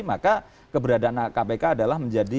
maka keberadaan kpk adalah menjadi